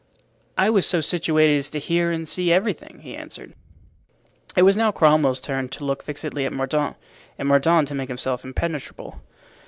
"I was so situated as to hear and see everything," he answered. It was now Cromwell's turn to look fixedly at Mordaunt, and Mordaunt to make himself impenetrable.